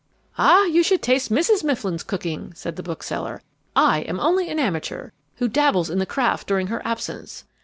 "Ah, you should taste Mrs. Mifflin's cooking!" said the bookseller. "I am only an amateur, who dabbles in the craft during her absence.